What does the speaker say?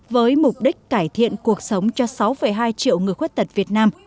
với mục đích cải thiện cuộc sống cho sáu hai triệu người khuyết tật việt nam